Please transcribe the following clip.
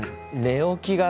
寝起きが。